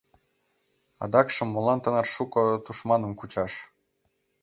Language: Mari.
Адакшым молан тынар шуко тушманым кучаш?